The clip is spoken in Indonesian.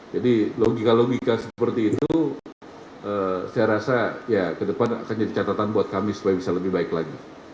jadi logika logika seperti itu saya rasa ya ke depan akan jadi catatan buat kami supaya bisa lebih baik lagi